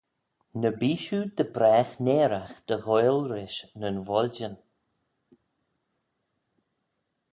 Ny bee shiu dy bragh nearagh dy ghoaill rish nyn voiljyn.